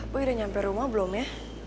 bu udah nyampe rumah belum ya